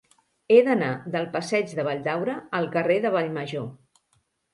He d'anar del passeig de Valldaura al carrer de Vallmajor.